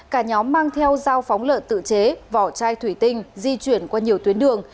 cả nhóm mang theo dao phóng lợn tự chế vỏ chai thủy tinh di chuyển qua nhiều tuyến đường